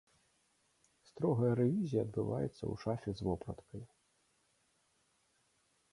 Строгая рэвізія адбываецца ў шафе з вопраткай.